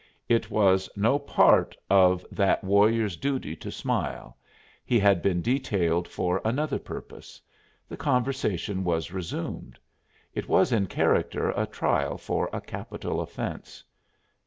It was no part of that warrior's duty to smile; he had been detailed for another purpose. The conversation was resumed; it was in character a trial for a capital offense.